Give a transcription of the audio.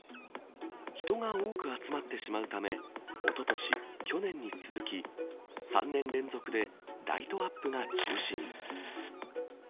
人が多く集まってしまうため、おととし、去年に続き、３年連続でライトアップが中止に。